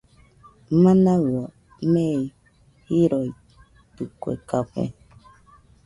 Manaɨa mei jiroitɨkue café